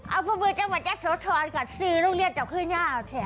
เอาพระมือจังหวัดยักษ์สวทรก่อนซื้อโรงเรียนจับข้างหน้าออกแถว